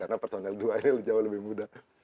karena personal dua ini jauh lebih muda